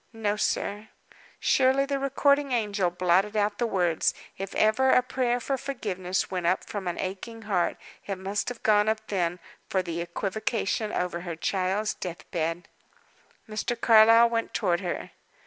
"No, sir." Surely the recording angel blotted out the words! If ever a prayer for forgiveness went up from an aching heart, it must have gone up then, for the equivocation over her child's death bed! Mr. Carlyle went toward her.